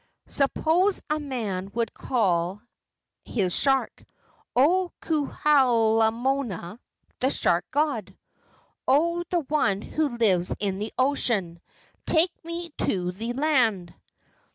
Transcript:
Suppose a man would call his shark, 'O Kuhai moana [the shark god]! O, the One who lives in the Ocean! Take me to the land!